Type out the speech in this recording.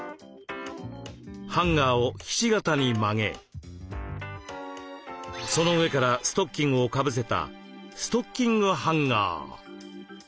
ハンガーをひし形に曲げその上からストッキングをかぶせたストッキングハンガー。